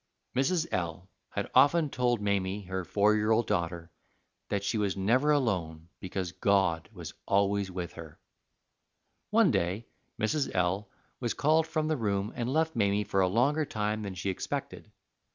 Mrs. L had often told Mamie, her four year old daughter, that she was never alone, because God was always with her. One day Mrs. L was called from the room and left Mamie for a longer time than she expected.